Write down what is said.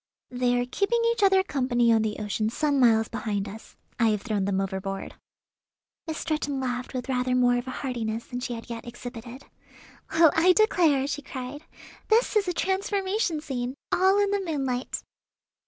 "They are keeping each other company on the ocean some miles behind us. I have thrown them overboard." Miss Stretton laughed with rather more of heartiness than she had yet exhibited. "Well, I declare," she cried; "this is a transformation scene, all in the moonlight!"